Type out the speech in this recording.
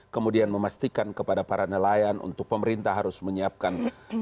kemudian memastikan kepada para nelayan untuk pemerintah harus menyiapkan